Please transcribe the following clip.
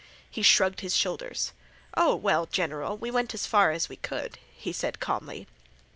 He shrugged his shoulders. "Oh, well, general, we went as far as we could," he said calmly.